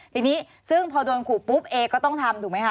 ทีนี้ซึ่งพอโดนขู่ปุ๊บเอก็ต้องทำถูกไหมคะ